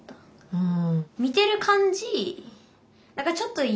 うん。